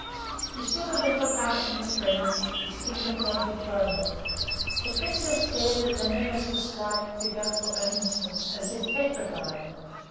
He stood a little apart from his friends, his finger pointed throneward. The Princess stared at the nemesis like figure for an instant, as if petrified.